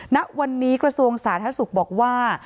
นักวันนี้กระทรวงศาสตร์ทัศุกร์บอกว่า